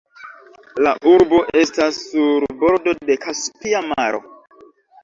La urbo estas sur bordo de Kaspia Maro.